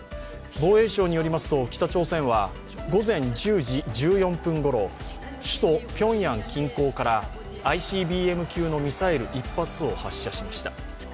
防衛省によりますと、北朝鮮は午前１０時１４分ごろ、首都ピョンヤン近郊からＩＣＢＭ級のミサイル１発を発射しました。